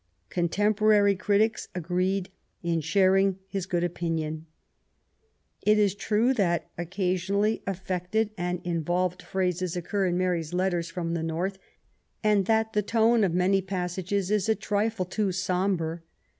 ^Contemporary critics, agreed in sharing his good opinion. It is true that occasionally affected and vajicAs^^ 166 MARY W0LL8T0NEGBJLFT GODWIN. phrases occur in Mary's letters from the Norths and that the tone of many passages is a trifle too sombre.